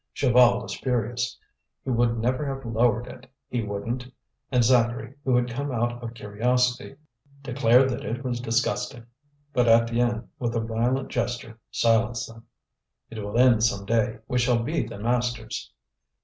Chaval was furious. He would never have lowered it, he wouldn't. And Zacharie, who had come out of curiosity, declared that it was disgusting. But Étienne with a violent gesture silenced them. "It will end some day, we shall be the masters!"